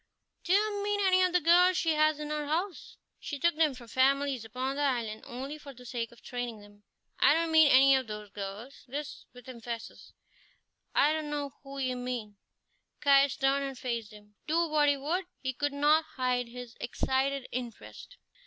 "Do you mean any of the girls she has in her house? She took them from families upon the island only for the sake of training them." "I don't mean any of those girls!" this with emphasis. "I don't know who you mean." Caius turned and faced him. Do what he would, he could not hide his excited interest.